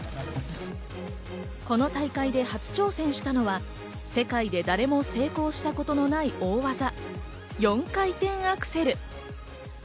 この大会で初挑戦したのは世界で誰も成功したことのない大技、４回転アクセル。